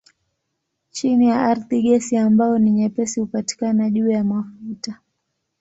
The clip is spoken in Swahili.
Chini ya ardhi gesi ambayo ni nyepesi hupatikana juu ya mafuta.